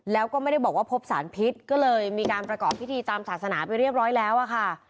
แล้วก็ไม่ได้บอกว่าพบสารพิษก็เลยมีการประกอบพิธีตามศาสนาไปเรียบร้อยแล้วอะค่ะ